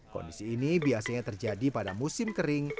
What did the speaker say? kondisi ini biasanya terjadi pada musim kering